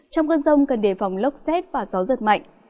trong cơn rông cần đề phòng lốc xét và gió giật mạnh